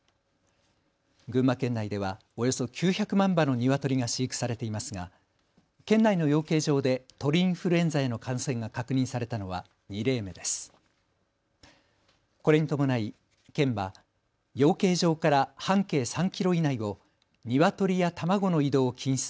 群馬県内ではおよそ９００万羽のニワトリが飼育されていますが県内の養鶏場で鳥インフルエンザへの感染が確認されたのは２例目です。